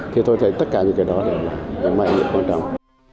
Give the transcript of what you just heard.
thì tôi thấy tất cả những cái đó là những vấn đề quan trọng